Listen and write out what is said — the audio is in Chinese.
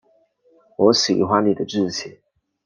我喜欢你的志气